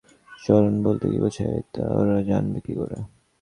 চরণ বলতে কী বোঝায় তা ওরা জানবে কী করে?